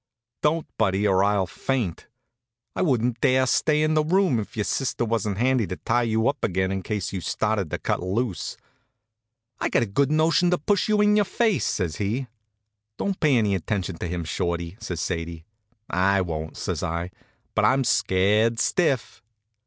Don't, Buddy, or I'll faint. I wouldn't dare stay in the room if your sister wa'n't handy to tie you up again in case you started to cut loose." "I've got a good notion to push in your face," says he. "Don't pay any attention to him, Shorty," says Sadie. "I won't," says I; "but I'm scared stiff."